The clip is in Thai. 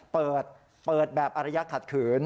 เปิดแบบอรัยะขัดขืน